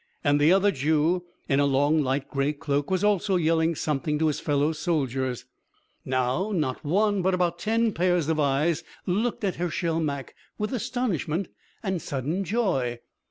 And the other Jew, in a long light grey cloak was also yelling something to his fellow soldiers. Now not one but about ten pairs of eyes looked at Hershel Mak, with astonishment and sudden joy.